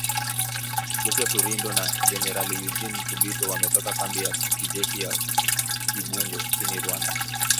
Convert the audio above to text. Joseph Rurindo na Generali Eugene Nkubito wametoka kambi ya kijeshi ya Kibungo nchini Rwanda